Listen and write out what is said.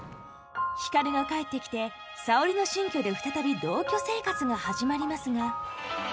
光が帰ってきて沙織の新居で再び同居生活が始まりますが。